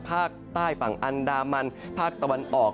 ภาคใต้ฝั่งอันดามันภาคตะวันออก